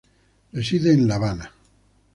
Reside en la Habana.